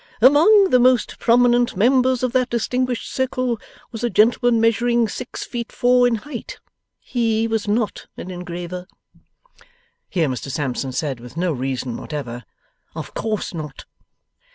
'Among the most prominent members of that distinguished circle, was a gentleman measuring six feet four in height. HE was NOT an engraver.' (Here Mr Sampson said, with no reason whatever, Of course not.)